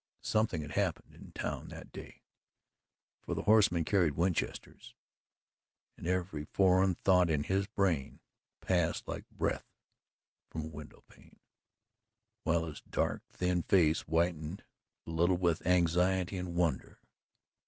Something had happened in town that day for the horsemen carried Winchesters, and every foreign thought in his brain passed like breath from a window pane, while his dark, thin face whitened a little with anxiety and wonder.